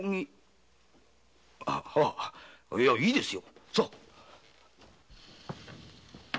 ああいいですよ。